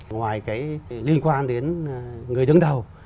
ngoài cái liên quan đến người đứng đầu